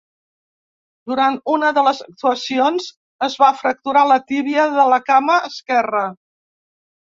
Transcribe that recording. Durant una de les actuacions es va fracturar la tíbia de la cama esquerra.